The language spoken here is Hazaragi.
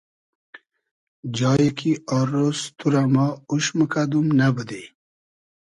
جای کی آر رۉز تو رۂ ما اوش موکئدوم نئبودی